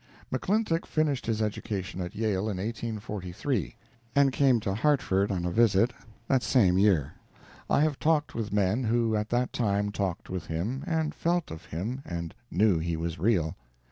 McClintock finished his education at Yale in 1843, and came to Hartford on a visit that same year. I have talked with men who at that time talked with him, and felt of him, and knew he was real.